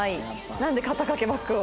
なんで肩掛けバッグを？